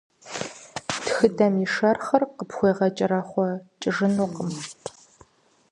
Тхыдэм и шэрхъыр къыпхуегъэкӏэрэхъуэкӏыжынукъым.